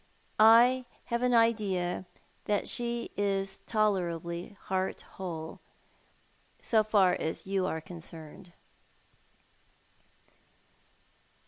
I have an idea that she is tolerably heart whole, so far as you are concerned."